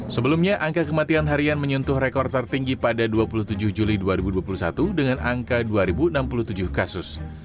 sebelumnya angka kematian harian menyentuh rekor tertinggi pada dua puluh tujuh juli dua ribu dua puluh satu dengan angka dua enam puluh tujuh kasus